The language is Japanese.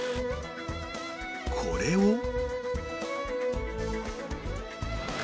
これを